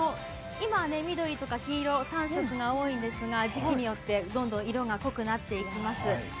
今、緑とか黄色、３色が多いんですが、時期によってどんどん色が濃くなっていきます。